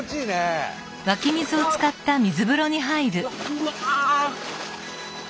うわ！